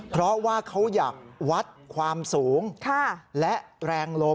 เพราะว่าเขาอยากวัดความสูงและแรงลม